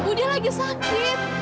ibu dia lagi sakit